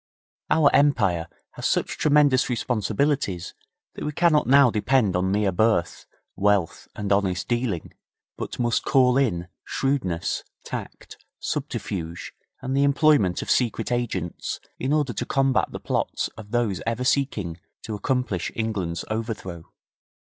Our Empire has such tremendous responsibilities that we cannot now depend upon mere birth, wealth and honest dealing, but must call in shrewdness, tact, subterfuge and the employment of secret agents in order to combat the plots of those ever seeking to accomplish England's overthrow.